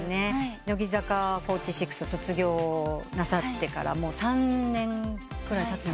乃木坂４６を卒業なさってからもう３年くらいたつのかな？